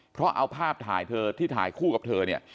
เพราะเอาภาพถ่ายเธอที่ถ่ายคู่กับเธอเนี่ย